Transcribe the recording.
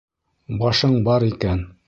Башың бар икән.